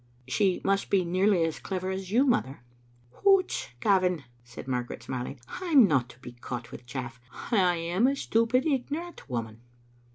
"She must be nearly as clever as you, mother." "Hoots, Gavin," said Margaret, smiling, "I'm not to be caught with chaff. I am a stupid, ignorant woman.